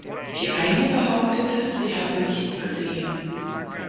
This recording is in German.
Die eine behauptete, sie habe nichts gesehen.